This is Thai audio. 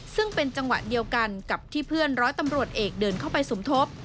ซึ่งเป็นจังหวะเดียวกันกับที่เพื่อนร้อยตำรวจเอกเดินเข้าไปสมทบ